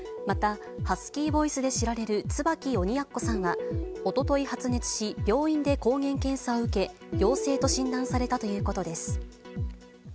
また、ハスキーボイスで知られる椿鬼奴さんがおととい発熱し、病院で抗原検査を受け、陽性と診断されたということです。